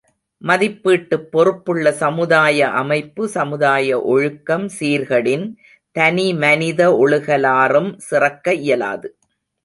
மதிப்பீட்டுப் பொறுப்புள்ள சமுதாய அமைப்பு, சமுதாய ஒழுக்கம் சீர்கெடின் தனிமனித ஒழுகலாறும் சிறக்க இயலாது.